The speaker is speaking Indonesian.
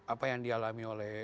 apa yang dialami oleh